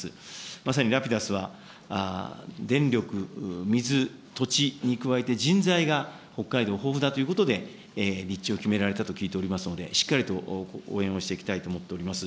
まさにラピダスは電力、水、土地に加えて、人材が北海道、豊富だということで、立地を決められたと聞いておりますので、しっかりと応援をしていきたいと思っております。